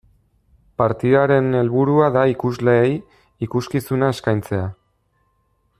Partidaren helburua da ikusleei ikuskizuna eskaintzea.